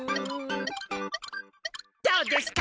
どうですか？